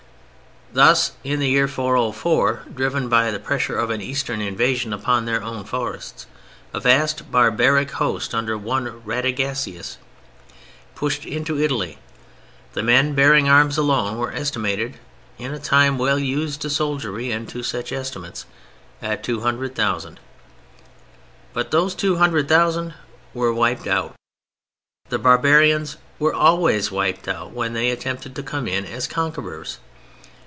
] Thus in the year 404, driven by the pressure of an Eastern invasion upon their own forests, a vast barbaric host under one Radagasius pushed into Italy. The men bearing arms alone were estimated (in a time well used to soldiery and to such estimates) at 200,000. But those 200,000 were wiped out. The barbarians were always wiped out when they attempted to come as conquerors.